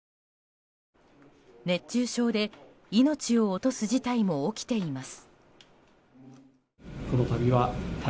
熱中症で命を落とす事態も起きています。